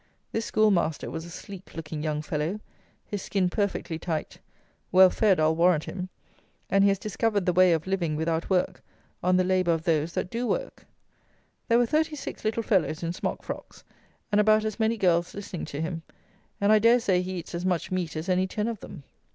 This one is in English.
This schoolmaster was a sleek looking young fellow: his skin perfectly tight: well fed, I'll warrant him: and he has discovered the way of living, without work, on the labour of those that do work. There were 36 little fellows in smock frocks, and about as many girls listening to him; and I dare say he eats as much meat as any ten of them.